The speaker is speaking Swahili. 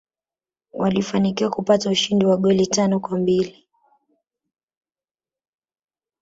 walfanikiwa kupata ushindi wa goli tano kwambili